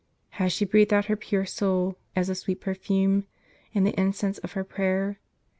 Had she breathed out her pure soul, as a sweet perfume, in the incense of her prayer